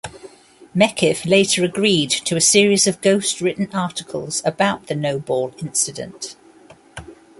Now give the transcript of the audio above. Meckiff later agreed to a series of ghost-written articles about the no-ball incident.